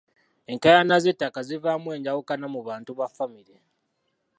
Enkaayana z'ettaka zivaamu enjawukana mu bantu ba famire.